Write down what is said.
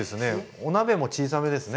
お鍋も小さめですね。